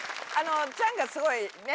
チャンがスゴいね